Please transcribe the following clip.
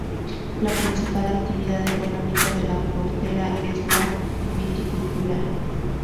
La principal actividad económica de La Portera es la viticultura.